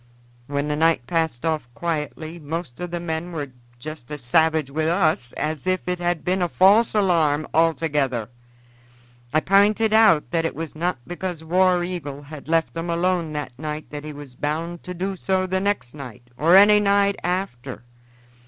"When the night passed off quietly most of the men were just as savage with us as if it had been a false alarm altogether. I p'inted out that it was not because War Eagle had left 'em alone that night that he was bound to do so the next night or any night after.